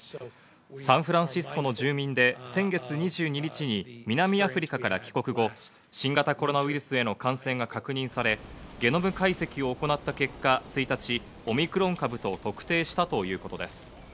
サンフランシスコの住民で先月２２日に南アフリカから帰国後、新型コロナウイルスへの感染が確認されゲノム解析行った結果、１日、オミクロン株と特定したということです。